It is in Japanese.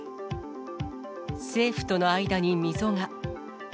政府との間に溝が。